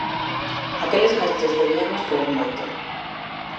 Aqueles mestres debíannos querer moito.